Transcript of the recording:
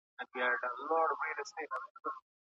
کرني پوهنځۍ بې له ځنډه نه پیلیږي.